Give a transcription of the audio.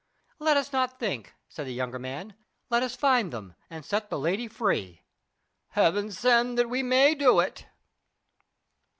"Let us not think," said the younger man. "Let us find them and set the lady free." "Heaven send that we may do it!"